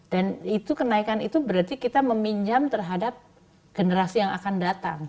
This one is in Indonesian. dan kenaikan itu berarti kita meminjam terhadap generasi yang akan datang